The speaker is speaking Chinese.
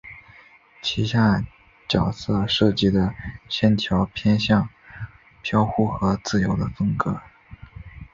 旗下角色设计的线条偏向飘忽和自由的风格。